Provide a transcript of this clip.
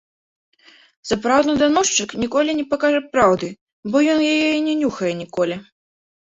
Сапраўдны даносчык ніколі не пакажа праўды, бо ён яе і не нюхае ніколі.